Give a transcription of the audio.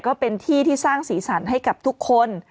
ก็เป็นที่ที่สร้างสีสันให้กับทุกคน